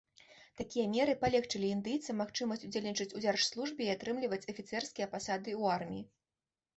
Такія меры палегчылі індыйцам магчымасць удзельнічаць у дзяржслужбе, і атрымліваць афіцэрскія пасады ў арміі.